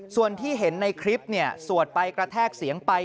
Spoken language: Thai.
ส่วนที่เห็นในคลิปสวดไปกระแทกเสียงไป